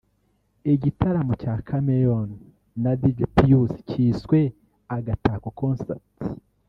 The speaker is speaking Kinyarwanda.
Igitaramo cya Chameleone na Dj Pius cyiswe « Agatako Concert »